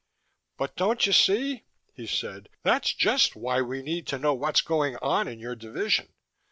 "But, don't you see," he said, "that's just why we need to know what's going on in your division.